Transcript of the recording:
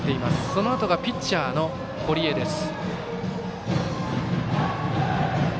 そのあとがピッチャーの堀江です。